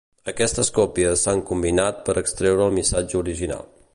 Aquestes còpies s'han combinat per extreure el missatge original.